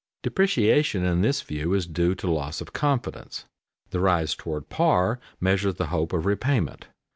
Depreciation in this view is due to loss of confidence; the rise toward par measures the hope of repayment.